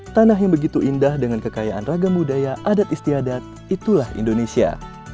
tanah yang begitu indah dengan kekayaan ragam budaya adat istiadat itulah indonesia